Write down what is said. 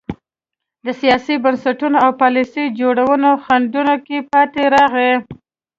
د سیاسي بنسټونو او پالیسۍ جوړونې خنډونو کې پاتې راغلي.